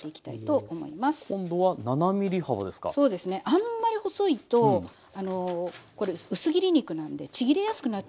あんまり細いとこれ薄切り肉なんでちぎりやすくなっちゃうんですね